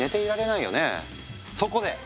そこで！